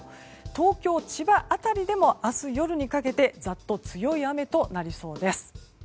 東京、千葉辺りでも明日夜にかけてざっと強い雨となりそうです。